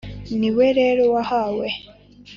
niwe rero wahawe